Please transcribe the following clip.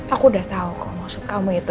aku udah tau kok maksud kamu itu